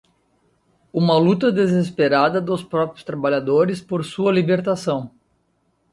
uma luta desesperada dos próprios trabalhadores por sua libertação